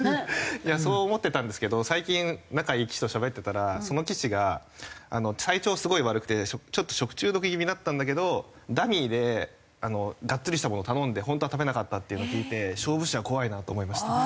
そう思ってたんですけど最近仲いい棋士としゃべってたらその棋士が体調すごい悪くてちょっと食中毒気味だったんだけどダミーでガッツリしたものを頼んでホントは食べなかったっていうのを聞いて勝負師は怖いなと思いましたね。